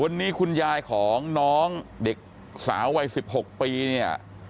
วันนี้คุณยายของน้องเด็กสาววัย๑๖ปีเนี่ย